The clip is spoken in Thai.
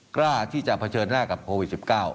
กล้าที่จะเผชิญหน้ากับโควิด๑๙